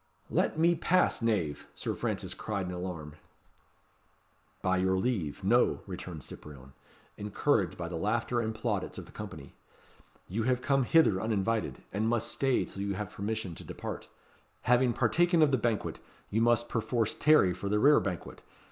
"Let me pass, knave," Sir Francis cried in alarm. "By your leave, no," returned Cyprien, encouraged by the laughter and plaudits of the company. "You have come hither uninvited, and must stay till you have permission to depart. Having partaken of the banquet, you must, perforce, tarry for the rerebanquet.